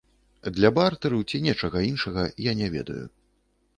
Для бартэру ці нечага іншага, я не ведаю.